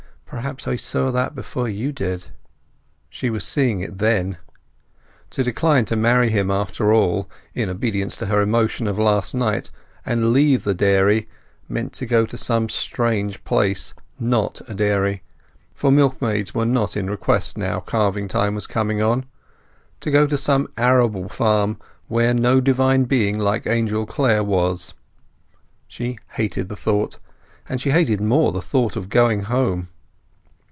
Perhaps I saw that before you did." She was seeing it then. To decline to marry him after all—in obedience to her emotion of last night—and leave the dairy, meant to go to some strange place, not a dairy; for milkmaids were not in request now calving time was coming on; to go to some arable farm where no divine being like Angel Clare was. She hated the thought, and she hated more the thought of going home.